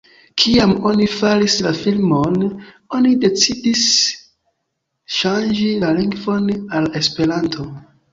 Kiam oni faris la filmon, oni decidis ŝanĝi la lingvon al Esperanto.